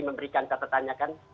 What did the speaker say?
memberikan catatan kan